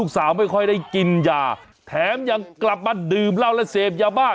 สาวไม่ค่อยได้กินยาแถมยังกลับมาดื่มเหล้าและเสพยาบ้า